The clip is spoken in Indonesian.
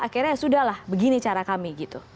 akhirnya sudah lah begini cara kami gitu